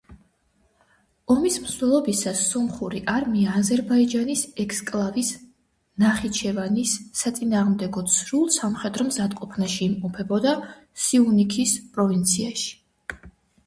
ომის მსვლელობისას სომხური არმია აზერბაიჯანის ექსკლავის, ნახიჩევანის საწინააღმდეგოდ სრულ სამხედრო მზადყოფნაში იმყოფებოდა სიუნიქის პროვინციაში.